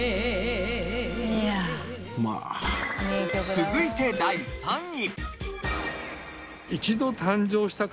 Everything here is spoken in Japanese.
続いて第３位。